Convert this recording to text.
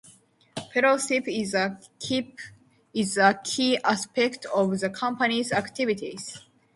Fellowship is a key aspect of the Company's activities.